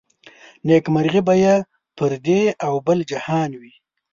نيکمرغي به يې پر دې او بل جهان وي